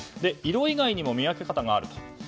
色以外にも見分け方があると。